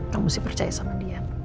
kamu mesti percaya sama dia